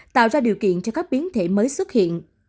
tạo ra điều kiện cho các biến thể mới xuất hiện